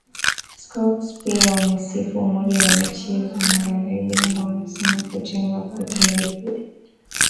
Scholz pia amesifu umoja wa nchi za magharibi ambao anasema Putin hakutarajia